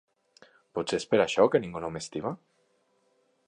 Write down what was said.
Potser és per això que ningú no m'estima?